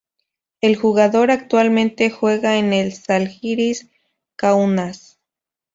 El jugador actualmente juega en el Žalgiris Kaunas.